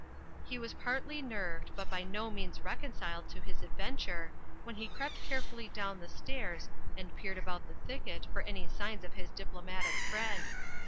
He was partly nerved, but by no means reconciled to his adventure, when he crept carefully down the stairs and peered about the thicket for any signs of his diplomatic friend.